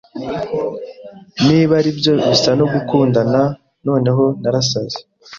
Niba aribyo bisa no gukundana noneho narasaze